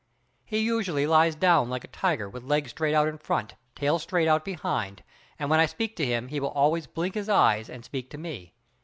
He usually lies down like a tiger with legs straight out in front, tail straight out behind, and when I speak to him he will always blink his eyes and speak to me.